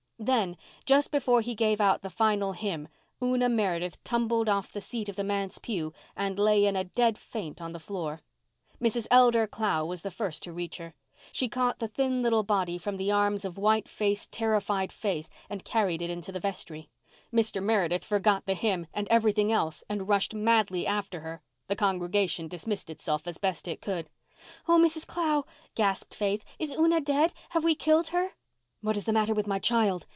Then, just before he gave out the final hymn, Una Meredith tumbled off the seat of the manse pew and lay in a dead faint on the floor. Mrs. Elder Clow was the first to reach her. She caught the thin little body from the arms of white faced, terrified Faith and carried it into the vestry. Mr. Meredith forgot the hymn and everything else and rushed madly after her. The congregation dismissed itself as best it could. "Oh, Mrs. Clow," gasped Faith, "is Una dead? Have we killed her?" "What is the matter with my child?"